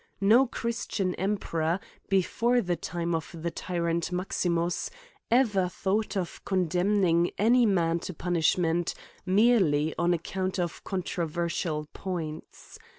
No christian emperor, before the time of the tyrant Maximus, ever thought of condemning any man to punishment, merely on ac count of controversial points.